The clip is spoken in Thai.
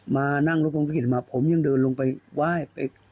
มานั่งรถกรงพิกฤติมาผมยังเดินลงไปไหว้